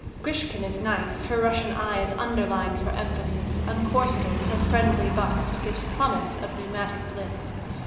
..... Grishkin is nice: her Russian eye Is underlined for emphasis; Uncorseted, her friendly bust Gives promise of pneumatic bliss.